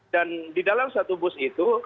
di dalam satu bus itu